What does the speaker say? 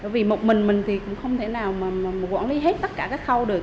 vì một mình mình thì không thể nào quản lý hết tất cả các khâu được